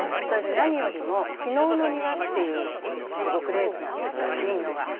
それで何よりも「昨日の庭」っていうフレーズなんですいいのが。